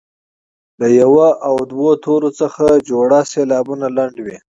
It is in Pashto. له یو او دوو تورو څخه جوړ سېلابونه لنډ وي.